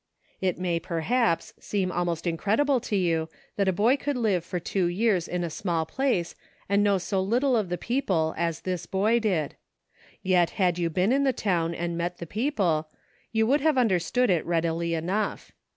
It may, perhaps, seem almost incredible to you that a boy could live for two years in a small place and know so little of the people as this boy did. Yet had you been in the town and met the people, you would have understood it readily enough.